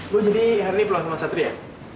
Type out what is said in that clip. bu jadi hari ini pulang sama satria